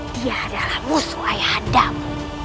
dia adalah musuh ayah handam